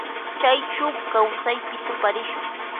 Chay shuk kawsaypi tuparishun.